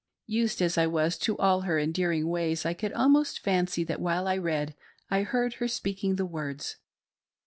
Used as I was to all her endearing ways, I could almost fancy that while I read I heard her speaking the words.